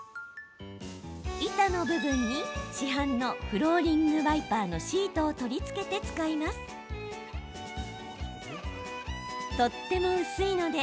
板の部分に市販のフローリングワイパーのシートを取り付けて使います。